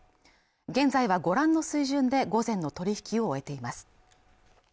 現在はご覧の水準で午前の取引を終えています